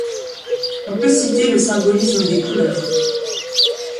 On peut citer le symbolisme des couleurs.